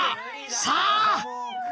さあ！